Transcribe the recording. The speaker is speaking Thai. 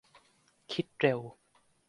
คิดเร็ว